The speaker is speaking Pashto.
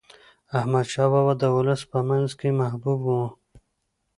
احمد شاه بابا د ولس په منځ کې محبوب و.